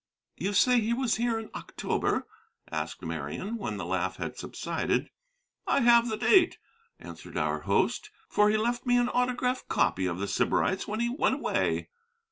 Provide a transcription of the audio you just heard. "You say he was here in October?" asked Marian, when the laugh had subsided. "I have the date," answered our host, "for he left me an autograph copy of The Sybarites when he went away."